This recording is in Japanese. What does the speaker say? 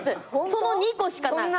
その２個しかない。